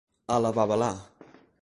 A la babalà.